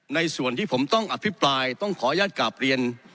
ในส่วนที่ผมต้องอภิปรายต้องขออนุญาตกราบเรียน